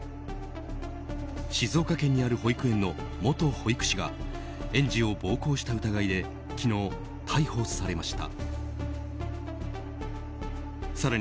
静岡県にある保育園の元保育士が園児を暴行した疑いで昨日、逮捕されました。